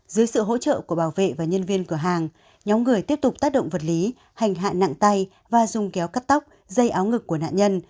dưới sự hỗ trợ của bảo vệ và nhân viên cửa hàng nhóm người tiếp tục tác động vật lý hành hạ nặng tay và dùng kéo cắt tóc dây áo ngực của nạn nhân